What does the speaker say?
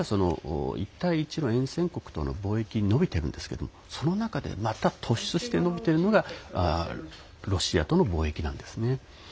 あとは、実は一帯一路沿線国との貿易は伸びているんですがその中でまた突出して伸びているのがロシアとの貿易なんですね。